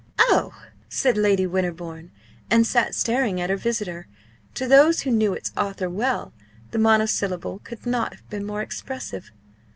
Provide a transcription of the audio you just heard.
"Oh!" said Lady Winterbourne, and sat staring at her visitor. To those who knew its author well, the monosyllable could not have been more expressive.